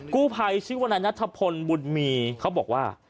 กู้ภัยชื่อว่านายนัทพลบุญมีเขาบอกว่า